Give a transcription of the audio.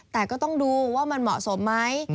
แต่ก็ต้องดูว่ามันเหมาะสมไหม